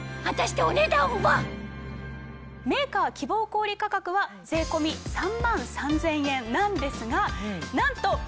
果たしてメーカー希望小売価格は税込み３万３０００円なんですがなんと。